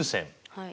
はい。